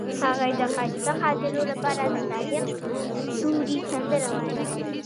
هغې د ښایسته خاطرو لپاره د صادق ستوري سندره ویله.